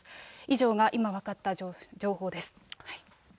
以上が今、分かった情報です。